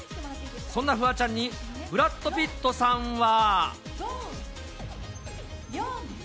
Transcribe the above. そんなフワちゃんにブラッド・ピットさんは。